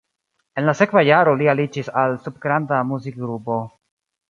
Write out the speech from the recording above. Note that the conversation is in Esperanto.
En la sekva jaro li aliĝis al subgrunda muzikgrupo.